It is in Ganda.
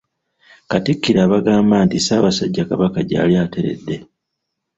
Katikkiro abagamba nti Ssaabasajja Kabaka gyali ateredde.